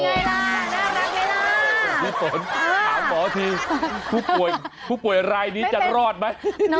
พี่ฝนถามหมอทีผู้ป่วยรายนี้จะรอดไหม